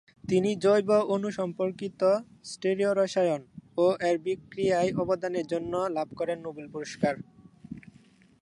তিনি জৈব অণু সম্পর্কিত স্টেরিও রসায়ন ও এর বিক্রিয়ায় অবদানের জন্য লাভ করেন নোবেল পুরস্কার।